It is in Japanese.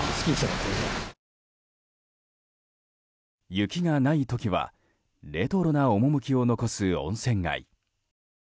雪がない時はレトロな趣を残す温泉街。